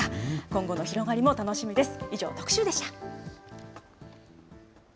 今後の広がりも楽しみです。